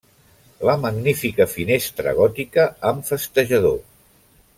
La magnífica finestra gòtica amb festejador.